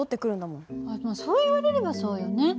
あっでもそう言われればそうよね。